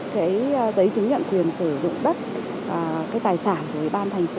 cái giấy chứng nhận quyền sử dụng đất cái tài sản của bàn thành phố